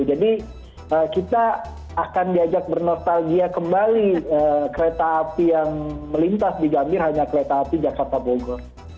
jadi kita akan diajak bernostalgia kembali kereta api yang melintas di gambir hanya kereta api jakarta bogor